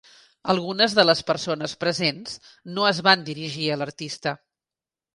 Algunes de les persones presents no es van dirigir a l'artista.